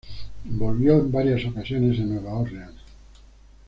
Volvió en varias ocasiones a Nueva Orleans.